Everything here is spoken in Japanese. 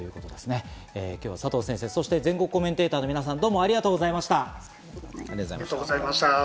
佐藤先生、そして全国コメンテーターの皆さん、ありがとうございました。